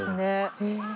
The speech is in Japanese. へえ。